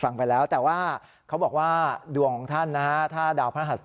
ฟังไปแล้วแต่ว่าเขาบอกว่าดวงของท่านนะฮะถ้าดาวพระหัส